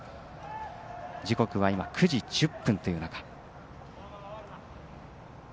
時刻は今９時１０分という中。